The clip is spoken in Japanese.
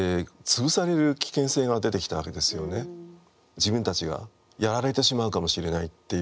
自分たちがやられてしまうかもしれないっていう。